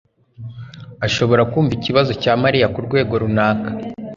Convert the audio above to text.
ashobora kumva ikibazo cya Mariya kurwego runaka